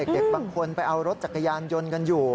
เด็กบางคนไปเอารถจักรยานยนต์กันอยู่